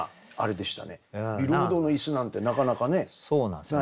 ビロードの椅子なんてなかなかね